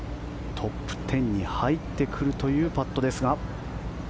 トップ１０に入ってくるというパットですが。